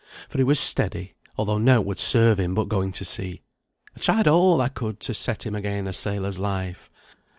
For he was steady, although nought would serve him but going to sea. I tried all I could to set him again a sailor's life.